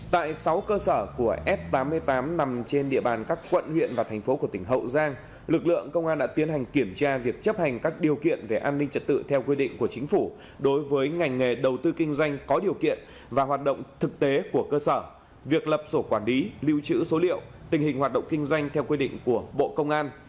tại sáu cơ sở của f tám mươi tám nằm trên địa bàn các quận huyện và thành phố của tỉnh hậu giang lực lượng công an đã tiến hành kiểm tra việc chấp hành các điều kiện về an ninh trật tự theo quy định của chính phủ đối với ngành nghề đầu tư kinh doanh có điều kiện và hoạt động thực tế của cơ sở việc lập sổ quản lý lưu trữ số liệu tình hình hoạt động kinh doanh theo quy định của bộ công an